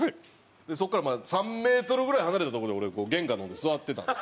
そこから３メートルぐらい離れた所で俺玄関の方で座ってたんです。